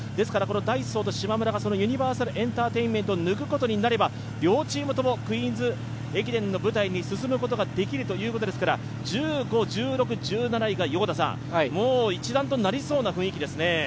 ダイソーとしまむらがユニバーサルエンターテインメントを抜くことになれば両チームともクイーンズ駅伝の舞台に進むことができるということですから１５、１６、１７位が一団となりそうな雰囲気ですね。